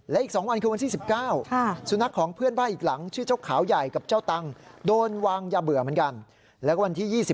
แล้วก็อีก๒วันคือวันที่๑๗